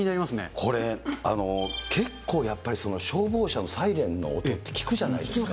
これ、結構、やっぱりその、消防車のサイレンの音って聞くじゃないですか。